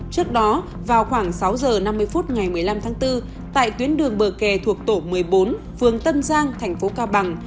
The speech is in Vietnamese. trước đó vào khoảng sáu h năm mươi phút ngày một mươi năm tháng bốn tại tuyến đường bờ kè thuộc tổ một mươi bốn phường tân giang thành phố cao bằng